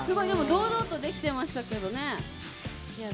堂々とできてましたけどね。